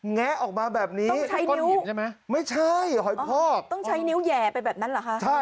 แง๊ออกมาแบบนี้ไม่ใช่หอยพอกค่ะต้องใช้นิ้วแห่ไปแบบนั้นเหรอคะ